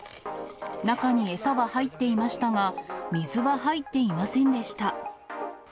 中に餌は入っていましたが、水は入っていませんでした。